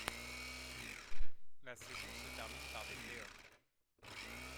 La saison se termine par des playoffs.